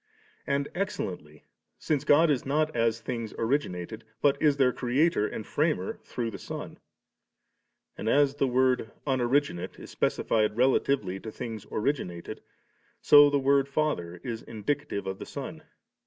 And excellently: since God is not as things origin ated, but is their Creator and Framer through the Son. And as the word ' Unoriginate ' is speci fied relatively to things originated, so the word 'Father' is indicative of the Son.